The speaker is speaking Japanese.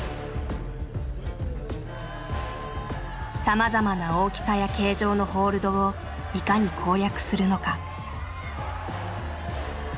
さまざまな大きさや形状のホールドをいかに攻略するのか。